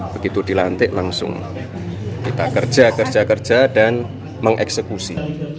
begitu dilantik langsung kita kerja kerja kerja dan mengeksekusi